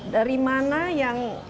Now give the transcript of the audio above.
dari mana yang